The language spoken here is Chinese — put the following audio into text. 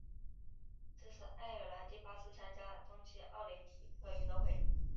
这是爱尔兰第八次参加冬季奥林匹克运动会。